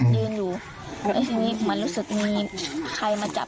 ยืนอยู่กันสิในนี้มันรู้สึกมีใครมาจับ